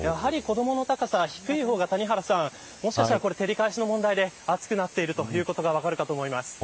やはり子どもの高さ、低い方がもしかしたら照り返しの問題で暑くなってるということが分かるかと思います。